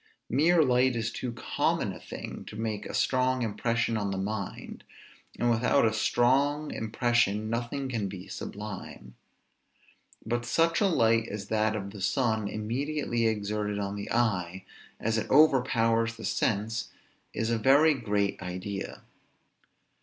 Mere light is too common a thing to make a strong impression on the mind, and without a strong impression nothing can be sublime. But such a light as that of the sun, immediately exerted on the eye, as it overpowers the sense, is a very great idea.